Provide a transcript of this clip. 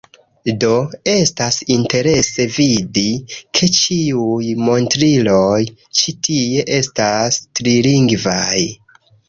Do, estas interese vidi, ke ĉiuj montriloj ĉi tie estas trilingvaj